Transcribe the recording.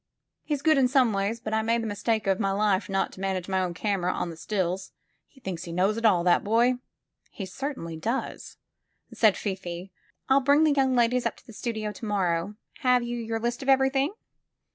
He's good in some ways, but I made the mistake of my life not to manage my own camera on the stills. He thinks he knows it all, that boy!" ''He certainly does," said Fifi. *'I'll bring the young ladies up to the studio to morrow. Have you your list of everything?"